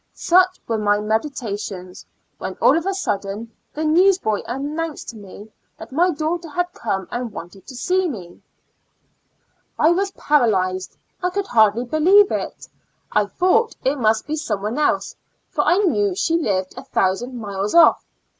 Such were my medita tions, when all of a sudden the newsboy ]^28 Two Years and Four Months announced to me that my daughter had come and wanted to see me. I was paralyzed — I could hardl}^ believe it — I thouo'ht it must be some one else, for I knew she lived a thousand miles off.